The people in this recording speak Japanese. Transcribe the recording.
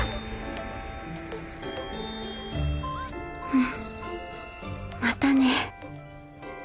うんまたね。